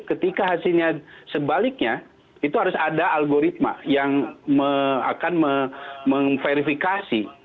ketika hasilnya sebaliknya itu harus ada algoritma yang akan memverifikasi